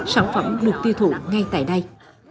sản phẩm lục tiêu thụ ngay tại đây